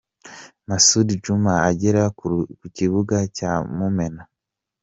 Masud Djuma agera ku kibuga cya Mumena.